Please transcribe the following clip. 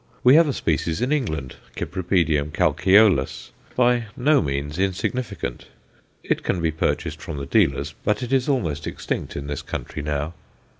We have a species in England, C. calceolus, by no means insignificant; it can be purchased from the dealers, but it is almost extinct in this country now.